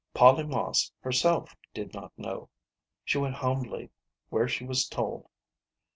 Polly Moss herself did not know ŌĆö she went humbly where she was told.